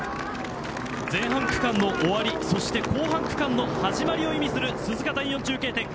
前半区間の終わり後半区間の始まりを意味する鈴鹿第４中継点。